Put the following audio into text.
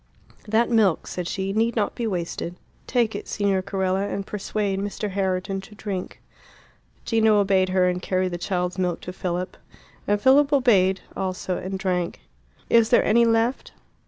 "That milk," said she, "need not be wasted. Take it, Signor Carella, and persuade Mr. Herriton to drink." Gino obeyed her, and carried the child's milk to Philip. And Philip obeyed also and drank. "Is there any left?"